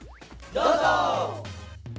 どうぞ！